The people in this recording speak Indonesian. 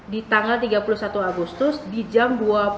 di tanggal tiga puluh satu agustus di jam dua puluh